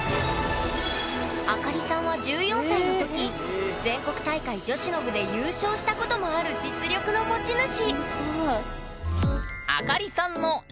あかりさんは１４歳の時全国大会女子の部で優勝したこともある実力の持ち主！